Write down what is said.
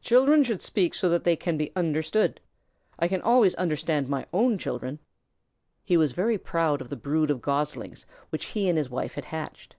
"Children should speak so that they can be understood. I can always understand my own children." He was very proud of the brood of Goslings which he and his wife had hatched.